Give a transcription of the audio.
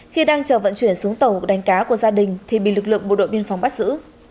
khi đang chờ vận chuyển xuống tàu đánh cá của gia đình thì bị lực lượng bộ đội biên phòng bắt giữ